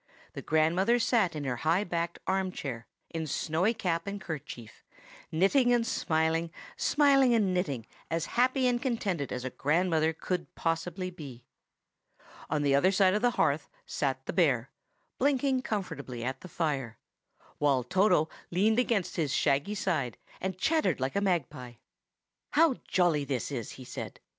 The grandmother sat in her high backed arm chair, in snowy cap and kerchief, knitting and smiling, smiling and knitting, as happy and contented as a grandmother could possibly be. On the other side of the hearth sat the bear, blinking comfortably at the fire, while Toto leaned against his shaggy side, and chattered like a magpie. "How jolly this is!" he said.